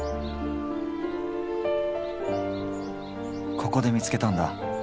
ここで見つけたんだ。